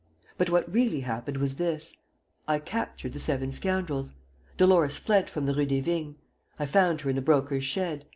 But what really happened was this: I captured the seven scoundrels. Dolores fled from the Rue des Vignes. I found her in the Broker's shed.